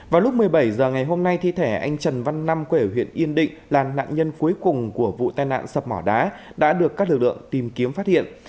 vào lúc một mươi bảy h ngày hôm nay thi thể anh trần văn năm quê ở huyện yên định là nạn nhân cuối cùng của vụ tai nạn sập mỏ đá đã được các lực lượng tìm kiếm phát hiện